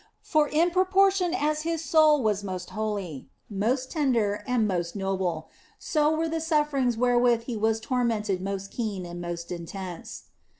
For in proportion as His soul was most holy, most tender and most noble, so were the sufferings wherewith He was tormented most keen and most intense.